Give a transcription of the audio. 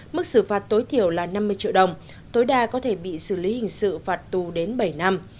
mức xử phạt tối thiểu là năm mươi triệu đồng tối đa có thể bị xử lý hình sự phạt tù đến bảy năm